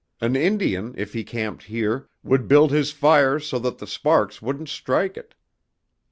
An Indian, if he camped here, would build his fire so that the sparks wouldn't strike it.